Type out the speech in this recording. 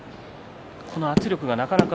この圧力がなかなか